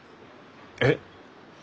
えっ！？